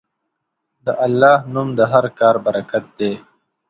د الله نوم د هر کار برکت دی.